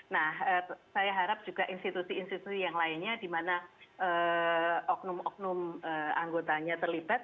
nah saya harap juga institusi institusi yang lainnya di mana oknum oknum anggotanya terlibat